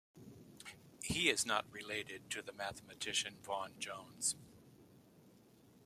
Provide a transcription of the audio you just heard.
He is not related to the mathematician Vaughan Jones.